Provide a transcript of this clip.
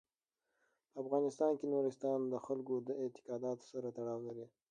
په افغانستان کې نورستان د خلکو د اعتقاداتو سره تړاو لري.